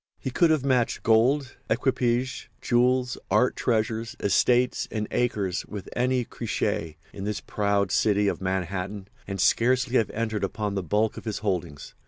He could have matched gold, equipages, jewels, art treasures, estates and acres with any Croesus in this proud city of Manhattan, and scarcely have entered upon the bulk of his holdings.